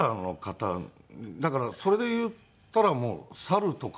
だからそれでいったら猿とか。